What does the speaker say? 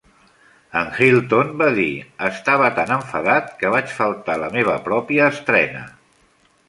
En Hilton va dir: "Estava tan enfadat que vaig faltar a la meva pròpia estrena".